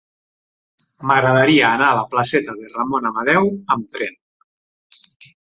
M'agradaria anar a la placeta de Ramon Amadeu amb tren.